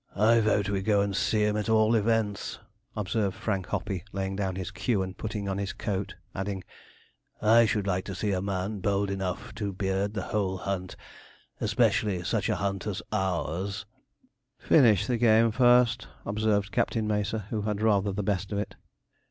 'I vote we go and see him, at all events,' observed Frank Hoppey, laying down his cue and putting on his coat, adding, 'I should like to see a man bold enough to beard a whole hunt especially such a hunt as ours.' 'Finish the game first,' observed Captain Macer, who had rather the best of it.